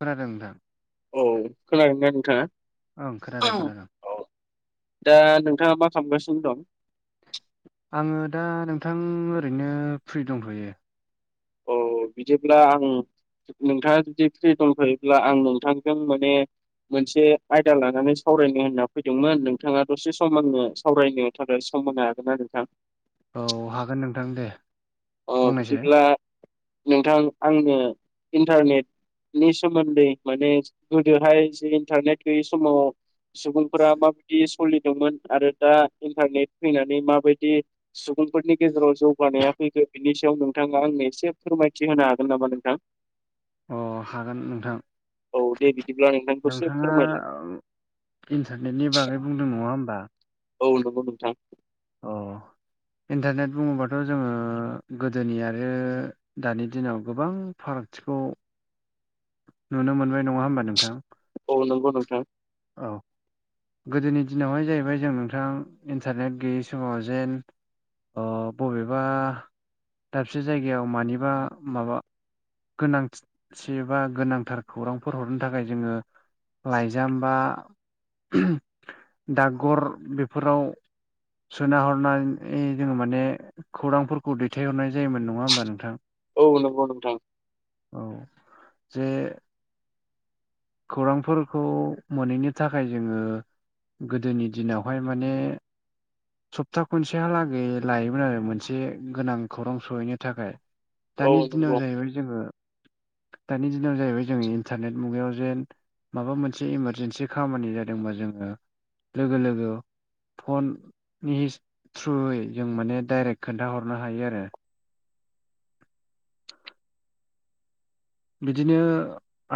खोनादों नोंथां। औ खोनादों दा नोंथाङा? ओं औ खोनादों खोनथादों। दा नोंथाङा मा खालामगासिनो दं? आङो दा नोंथां ओरैनो फ्रि दंथ'यो। औ बिदिब्ला आं नोंथाङा जुदि फ्रि दंफैयोब्ला आं नोंथांजों माने मोनसे आयदा लानानै सावरायनो होनना फैदोंमोन नोंथाङा दसे सम आंनो सावरायनो नि थाखाय सम मोनो हागोन ना नोंथां? औ हागोन नोंथां दे। अ बुंनायसाय बिदिब्ला नोंथां आंनो इन्टारनेट नि सोमोन्दै माने गोदोहाय ज इन्टारनेट गैयि समाव सुबुंफोरा माबायदि सलिदोंमोन आरो दा इन्टारनेट फैनानै माबायदि सुबुं फोरनि गेजेराव जौगानाया फैगो बिनि सायाव नोंथाङा आंनो एसे फोरमायथि होनो हागोन नामा नोंथां? अ हागोन नोंथां औ दे बिदिब्ला नोंथां दसे नोंथाङा फोरमायलाय। अ ओम इन्टारनेटनि बागै बुंदों नङा होनोमबा। औ नंगौ नोंथां। अ इन्टारनेट बुङोबाथ' जोङो गोदोनि आरो दानि दिनाव गोबां फारागथिखौ नुनो मोनबाय नङा होमबा नोंथां। औ नंगौ नोंथां। औ गोदोनि दिनावहाय जाहैबाय जों नोंथाङा गां इन्टारनेट गैयै समाव जेन अ बबेबा दाबसे जायगायाव मानिबा माबा गोनांसे बा गोनांथार खौरांफोर हरनो थाखाय जोङो लाइजाम बा ओहम डाख बेफोराव सोना हरनानै जोङो माने खौरांफोरखौ दैथायहरनाय जायोमोन नङा होमबा नोंथां। औ नंगौ नोंथां। औ जे खौरांफोरखौ मोनहैनि थाखाय जोङो गोदोनि दिनावहाय माने सप्ता खनसेहालागै लायोमोन आरो मोनसे गोनां खौरां सहैनो थाखाय। औ दानि दिनाव नंगौ जाहैबाय जोङो दानि दिनाव जाहैबाय जो इन्टारनेट मुगायाव ज जेन माबा मोनसे इमारजेेनसि खामानि जादोंबा जोङो लोगो लोगो फननि थ्रुयै जों माने डाइरेक्ट खोन्थाहरनो हायो आरो [inaudible] बिदिनो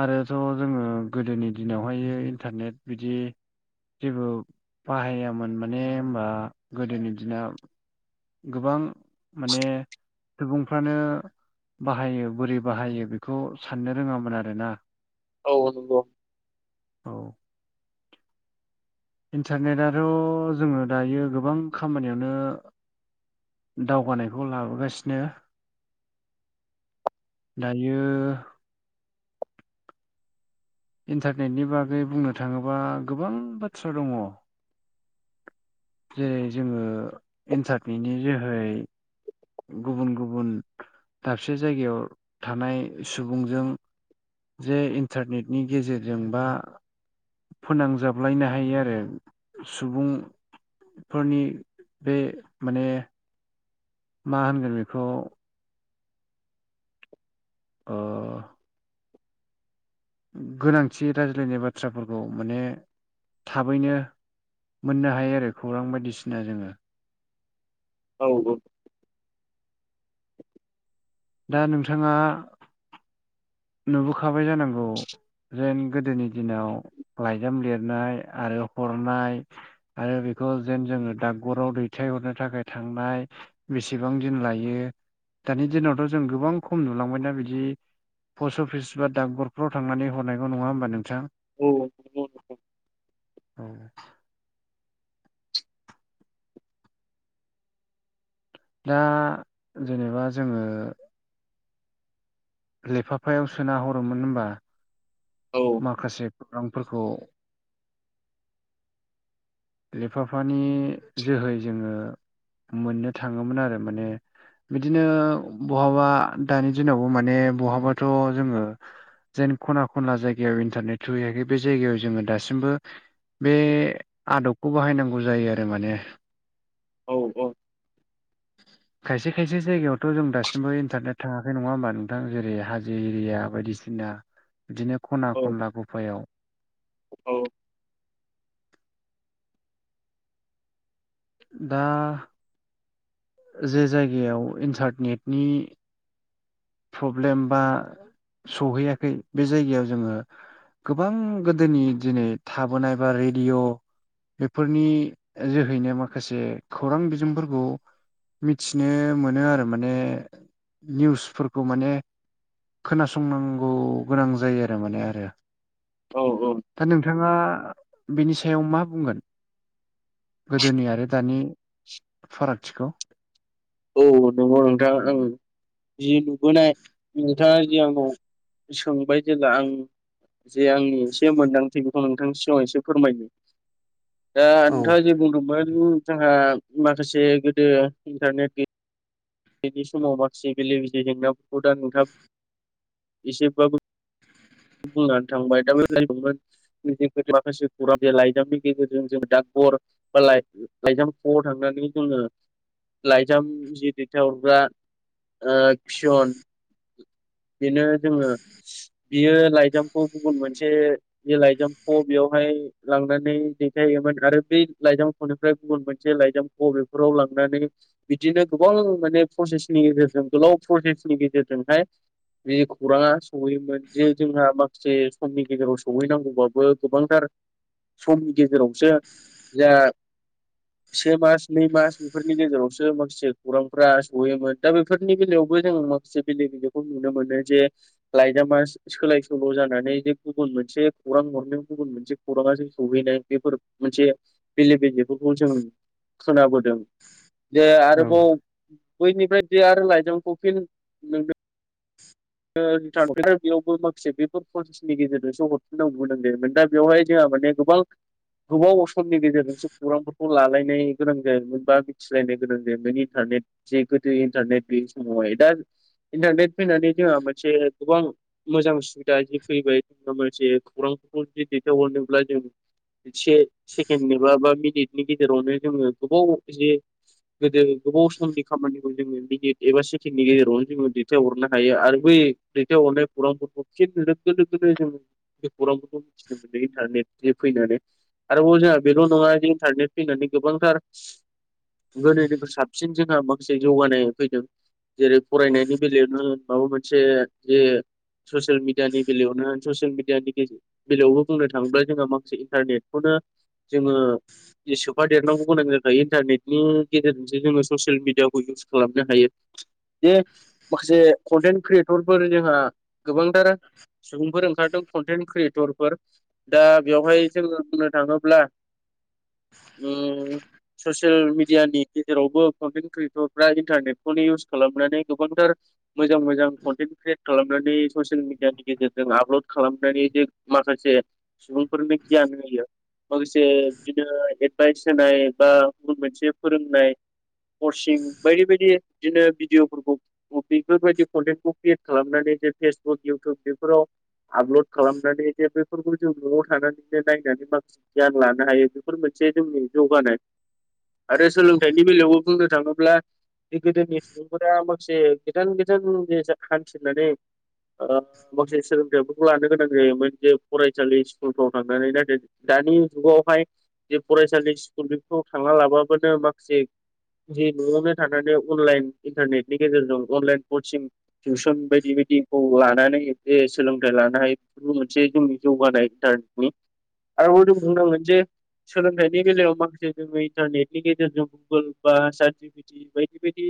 आरोथ' जोङो गोदोनि दिनावहाय इन्टारनेट बिदि जेबो बाहायामोन माने होनबा गोदोनि दिना गोबां माने सुबुंफ्रानो बाहायो बोरै बाहायो बेखौ साननो रोङामोन आरोना औ नंगौ औ इन्टारनेटथ' जोङो दायो गोबां खामानियावनो दावगानायखौ लाबोगासिनो दायो इन्टारनेटनि बागै बुंनो थाङोबा गोबां बाथ्रा दङ जेरै जोङो एन्सारनिनि जोहै गुबुन गुबुन दाबसे जायगायाव थानाय सुबुंजों जे इन्टारनेटनि गेजेरजों बा फोनांजाबलायनो हायो आरो सुबुं फोरनि बे माने मा होनगोन बेखौ ओ गोनांथि रायज्लायनाय बाथ्राफोरखौ माने थाबैनो मोननो हायो आरो खौरां बायदिसिना जोङो औ दा नोंथाङा नुबोखाबाय जानांगौ जेन गोदोनि दिनाव लाइजाम लिरनाय आरो हरनाय आरो बेखौ जेन जोङो डक्राव दैथायहरनो थाखाय थांनाय बेसेबां दिन लायो दानि दिनावथ' जों गोबां खम नुलांबायना बिदि पस्ट अफिस बा डाक्बरफोराव थांनानै हरनायांगौ नङा होमबा नोंथाङा औ नंगौ नोंथां औ दा जेनेबा जोङो लेफाफायाव सोना हरोमोन होनबा औ माखासे खौरांफोरखौ लेफाफानि जोहै जोङो मोननो थाङोमोन आरो माने बिदिनो बहाबा दानि दिनावबो माने बहाबाथ' जोङो जेन खना खनला जायगायाव इन्टारनेट थ्रुहैयाखै बे जायगायाव जोङो दासिमबो बे आदबखौ बाहायनांगौ जायो आरो माने औ औ [inaudible] खायसे खायसे जायगायावथ' जों दासिमबो इन्टारनेट थाङाखै नङा होमबा नोंथां जेरै हाजो एरिया बायदिसिना बिना बिदिनो खना खनला गफायाव औ दा जे जायगायाव इन्टारनेटनि प्रब्लेम बा सहैयाखै बे जायगायाव जोङो गोबां गोदोनि दिनै थाबोनाय बा रेडिय' बेफोरनि जोहैनो माखासे खौरां बिजोंफोरखौ मिथिनो मोनो आरो माने निउसफोरखौ खौ माने खोनासंनांगौ गोनां जायो आरो माने आरो औ औ दा नोंथाङा बेनि सायाव मा बुंगोन गोदोनि आरो दानि फारागथिखौ औ नंगौ नोंथां ओं जि नुबोनाय नोंथाङा जि आंनाव सोंबाय जेला आं जे आंनि एसे मोनदांथि खौ नोंथांनि सिगांआव एसे फोरमायनि दा औ नोंथाङा जे बुंदोंमोन जोंहा माखासे गोदो इन्टारनेट गै यैनि समाव माखासे बेले बेजे जेंनाफोरखौ दा नोंथां एसेबाबो बुंनानै थांबाय [unintelligible] [unintelligible] माखासे [unintelligible] लाइजामनि गेजेरजों जों [unintelligible] लाइजामख'आव थांनानै जोङो लाइजाम [unintelligible] खोनथा हरग्रा ओ फियन बिदिनो जोङो बियो लाइजामखौ गुबुन मोनसे बे लाइजामखौ बेयावहाय लांनानै दैथायोमोन आरो बै लाइजामख'निफ्राय गुबुन मोनसे लाइजामख' बेफोराव लांनानै बिदिनो गोबां माने प्रसेसनि गेजेरजों गोलाव प्रसेसनि गेजेरजोंहाय जि खौरांआ सहैयोमोन जे जोंहा मा खासे समनि गेजेराव सहैनांगौबाबो गोबांथार समनि गेजेराव सो जा से मास नै मास बेफोरनि गेजेरावसो माखासे खौरां फ्रा सहैयोमोन दा बेफोरनि गेजेरावबो जों माखासे बेले बेजेखौ नुनो मोनो जे लाइजामास सोलाय सोल' जानानै जे गुबुन मोनसे खौरां हरनाय गुबुन मोनसे खौराङा जोंखौ [unintelligible] मोनसे बेले बेजेफोरखौ जों खोनाबोदों जे आरोबाव औ बैनिफ्राय बेे आरो लाइजामखौ फिन नोंनो [unintelligible] बेयावबो माखासे बेफोर [unintelligible] नि गेजेरजोंसो हरफिनांगौ [unintelligible] दा बेवहाय जोंहा माने गोबां गोबाव असमनि गेजेरजोंसो खौरांखौ खौ लालायनाय गोनां जायामोन बा मिथिलायनो गोनां जायामोन इन्टारनेट जे गोदो इन्टारनेट गैयि समावहाय दा इन्टारनेट फैनानै जोंहा मोनसे गोबां मोजां सुबिदा जि फैबाय माबा मोनसे खौरांफोरखौ जुदि दैथायहरनोब्ला जों एसे सेकेणडनि बा बा मिनिटनि गेजेरावनो जोङो गोबाव जे गोदो गोबाव समनि खामानिखौ जोङो मिनिट एबा सेकेण्डनि गेजेरावनो जोङो दैथाय हरना हायो आरो बै दैथायहरनाय खैरांफोरखौ [unintelligible] लोगो लोगोनो जों बे खौरांफोरखौ मिथिनो मोनदों इन्टारनेटनि फैनानै आरोबाव जोंहा बेल' नङा इन्टारनेट फैनानै गोबांथार गोदोनिख्रुय साबसिन जोंहा माखासे जौगानाय फैदों जेरै फरायनायनि बेलायावनो होन माबा मोनसे जे ससियेल मिडियानि बेलायावनो होन ससियेल मिडियानि गेजेर बेलायावबो बुंनो थाङोब्ला जोंहा माखासे इन्टारनेटखौनो जोङो सोफादेरनांगौ गोनां जाखायो इन्टारनेटनि गेजेरजोंसो जोङो ससियेल मिडियाखौ इउस खालामनो हायो बे माखासे कन्टेन्ट क्रियेटरफोर जोंहा गोबांथार सुबुंफोर ओंखारदों कन्टेन्ट क्रियेटरफोर दा बेवहाय जोङो बुंनो थाङोब्ला ओम ससियेल मिडियानि गेजेरावबो कन्टेन्ट क्रियेटरफ्रा इन्टारनेटखौनो इउस खालामनानै गोबांथार मोजां मोजां कन्टेन्ट क्रियेट खालामनानै ससियेल मिडियानि गेजेरजों आपल'ड खालामनानै जे माखासे सुबुंफोरनो गियान होयो माखासे इदिनो एडभाइस होनाय बा गुबुन मोनसे फोरोंनाय करसिं बायदि बायदि बिदिनो भिडिअफोरखौ बेफोरबायदि कन्टेन्टखौ क्रियेट खालामनानै जे फेसबुक इउटुब बेफोराव आपल'ड खालामनानै जे बेफोरखौ जों न'आव थानानै नायनानै माखासे गियान लानो हायो बेफोर मोनसे जोंनि जौगानाय आरो सोलोंथाइनि बेलायावबो बुंनो थाङोब्ला बे गोदोनि सुबुंफोरा माखासे गोजान गोदान हान्थिनानै ओ माखासे सोलोंथायाइफोरखौ लानो गोनां जायोमोन जे फरायसालि स्कुलफ्राव थांनानै नाथाय दानि जुगावहाय ज फरायसालि स्कुलफ्र थांना लाबाबानो माखासे जि न'आवनो थानानै अनलाइन इन्टारनेटनि गेजेरजों अनलाइन कसिं टिउसन बायदि बायदिखौ लानानै सोलोंथाइ लानान बे मोनसे जोंनि जौगानाय इन्टारनेटनि आरोबाव जों बुंनांगोन जे सोलोंथाइनि बेलायाव माखासे जोङो इन्टारनेटनि गेजेरजों गुगोल बा सार्टिफेटि बाय बेबायदि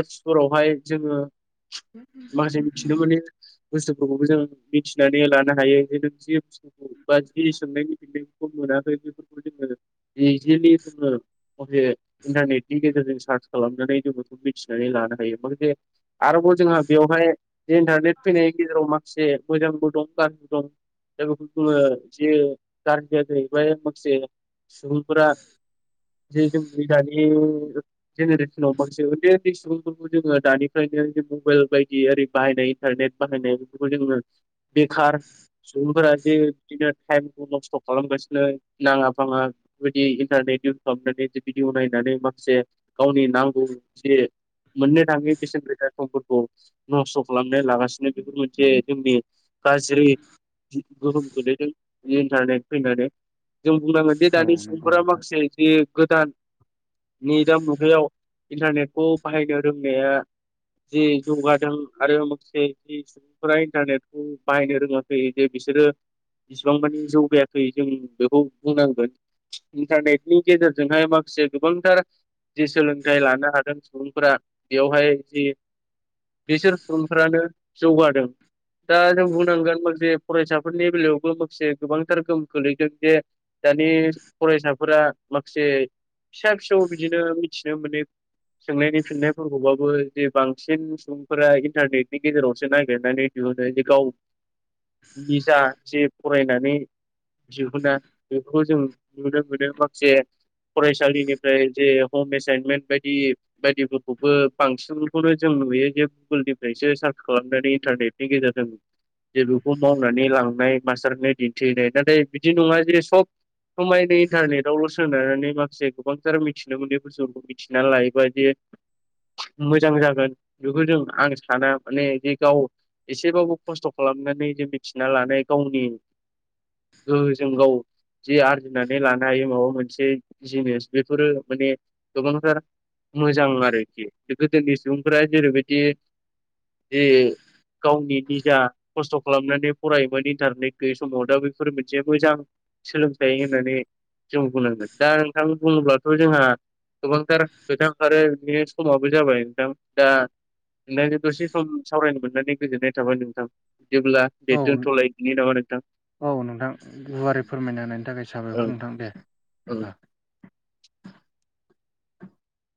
एप्सफोरावहाय जोङो माखासे मिथिनो मोनै बुस्थुफोरखौबो जों मिथिनानै लानो हायो। बा जि सोंनाय फिन्नायफोरखौ मोनाखै बेफोरखौ जोङो जिलि जोङो इन्टारनेटनि गेजेरजों सार्च खालामनानै जों बेखौ मिथिनानै लानो आरोबाव जोंहा बेयावहाय इन्टारनेट फैनायनि गेजेराव मा एसे मोजांबो दं गाजबो दं ज बेफोरखौ जोङो जि गारजियैहाय माखासे सुबुंफोरा जे जोंनि दानि जेनेरेसनाव मोनसेे [unintelligible] बेफोरखौ जोङो दानिफ्रायनो मबाइल बायदि ओरै बाहायनाय इन्टारनेट बाहायनाय बेफोरखौ जोङो बेखार सुबुंफोरा जे बिदिनो टाइमखौ नस्थ' खालामगासिनो नाङा फाङा बेफोरबायदि इन्टारनेट इउस खालामनानै भिडिअ नायनानै माखासे गावनि नांगौ जे मोननो थाङै बेसेन गोसा समफोरखौ नस्थ' खालामनानै लागासिनो बेफोर मोनसे जोंनि गाज्रि गोहोम गो्लैदों इन्टारनेट फैनानै जों बुंनांगोन जे दानि नंगौ सुबुंफोरा नोंथां माखासे जि गोदान नै दा मुगायाव इन्टारनेटखौ बाहायनो रोंनाया जि जौगादों आरो माखासे जि इन्टारनेटखौ बाहायनो रोङाखै जे बिसोरो इसिबां मानि जौगायाखै जों बेखौ बुंनांगोन इन्टारनेटनि गेजेरजोंहाय माखासे गोबांथार जि सोलोंथाइ लानो हागोन सुबुंफोरा बेवहाय जि बिसोर सुबुंफ्रानो जौगादों। दा जों बुंनांगोन माखासे फरायसाफोरनि बेलायावबो माखासे गोबांथार गोहोम खोलैदों जे दानि फरायसाफोरा माखासे फिसा फिसौ बिदिनो मिथि माने सोंनायनि फिननाय खौबाबो जे बांसिन सुबुंफोरा इन्टारनेटनि गेजेरावसो नागिरनानै दिहुनो जे गाव निजा जे फरायनानै दिहुना बेफोरखौ जों नुनो मोनो माखासे फरायसालिनिफ्राय जे हम एसाइनमेन्ट बायदि बायदि बेबो बांसिनखौनो जों नुयो जे गुगोलनिफ्रायसो सार्च खालामनानै इन्टारनेटनि गेजेरजों जे बेखौ मावनानै लांनाय मास्टारनाय दिन्थिहनाय नाथाय बिदि नङा जे सब समाय बे इनतारनेदावल सा सोंनानै माखासे गोबांथार मिथिनो मोनै बुस्थुफोरखौ मिथिना लायोबादि मोजां जागोन बेखौ जों आं साना माने बे गाव एसेबाबो खस्थ' खालामनानै जों मिथिना लानाय गावनि ओ जों गाव जि आरजिनानै लानो हायो माबा मोनसे जिनिस बेफोरो माने गोबांथार मोजां आरोखि गोदोनि सुबुंफोरा जेरैबायदि जि गावनि निजा खस्थ' खालामनानै फरायोमोन इन्टारनेट गैयै समाव दा बेफोर मोनसे मोजां। सोलोंथाइ होननानै जों बुंनांगोन दा नोंथां बुङोब्लाथ' जोंहा गोबांथार गोथां आरो बिनि समाबो जाबाय नोंथां दा नोंथांजों दसे सम सावरायनो मोननानै गोजोननाय थाबाय नोंथां देब्ला औ दे दोनथ'लायदि नामा? नोंथां औ नोंथां गुवारै फोरमायना होनायनि थाखाय ओं साबायखर नोंथां दे। ओं।